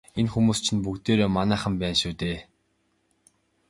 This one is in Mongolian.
Энэ хүмүүс чинь бүгдээрээ манайхан байна шүү дээ.